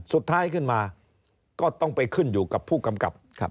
สุดท้ายขึ้นมาก็ต้องไปขึ้นอยู่กับผู้กำกับครับ